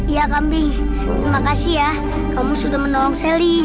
iya kambing terima kasih ya kamu sudah menolong sally